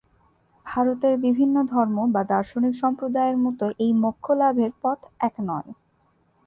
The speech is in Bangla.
ভারতের বিভিন্ন ধর্ম বা দার্শনিক সম্প্রদায়ের মতো এই মোক্ষলাভের পথ এক নয়।